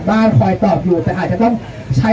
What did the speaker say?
สวัสดีครับทุกคนวันนี้เกิดขึ้นทุกวันนี้นะครับ